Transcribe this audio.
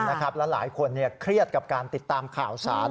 และหลายคนเครียดกับการติดตามข่าวสาร